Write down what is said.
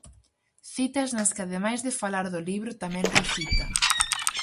Citas nas que ademais de falar do libro tamén recita.